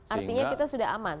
artinya kita sudah aman